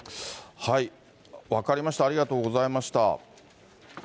分かりました、ありがとうございました。